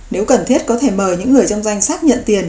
nếu cần thiết có thể mời những người trong danh sách nhận tiền